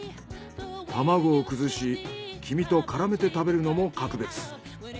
玉子を崩し黄身とからめて食べるのも格別。